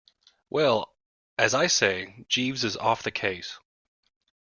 Well, as I say, Jeeves is off the case.